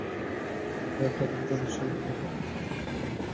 ঢাকার একটা টিভিতে অনুষ্ঠান করতে রূপম এসেছিল, আমি ফোনে তাকে শুভেচ্ছা জানিয়েছি।